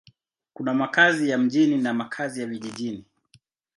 Kuna makazi ya mjini na makazi ya vijijini.